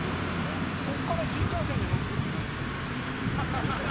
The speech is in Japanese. こっから新幹線に乗る人っていないでしょ？